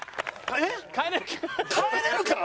「帰れるか？」！？